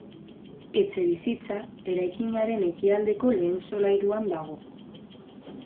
Etxebizitza, eraikinaren Ekialdeko lehen solairuan dago.